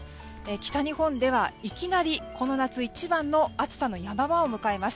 北日本ではいきなり、この夏一番の暑さの山場を迎えます。